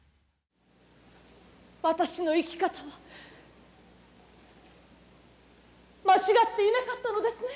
私の生き方は間違っていなかったのですね。